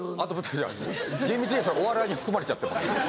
厳密にはそれお笑いに含まれちゃってます。